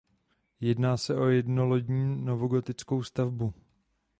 Jedná se o jednolodní novogotickou stavbu.